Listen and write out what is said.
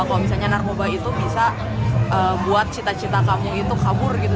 kalau misalnya narkoba itu bisa buat cita cita kamu itu kabur gitu